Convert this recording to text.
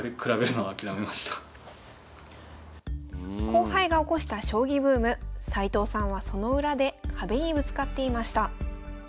後輩が起こした将棋ブーム齊藤さんはその裏で壁にぶつかっていました。